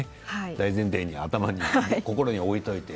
大前提に頭に、心に置いておいて。